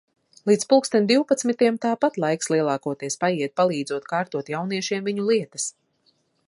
Līdz pulksten divpadsmitiem tāpat laiks lielākoties paiet, palīdzot kārtot jauniešiem viņu lietas.